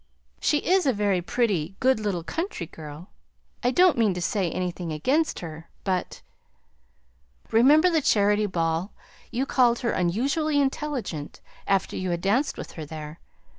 "She is a very pretty, good little country girl. I don't mean to say anything against her, but " "Remember the Charity Ball; you called her 'unusually intelligent' after you had danced with her there.